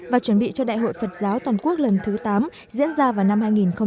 và chuẩn bị cho đại hội phật giáo toàn quốc lần thứ tám diễn ra vào năm hai nghìn hai mươi